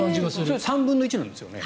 それ３分の１なんですよね。